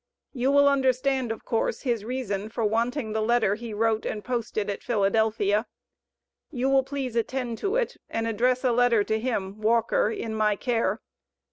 You will understand, of course, his reason for wanting the letter wrote and posted at Philadelphia. You will please attend to it and address a letter to him (Walker) in my care.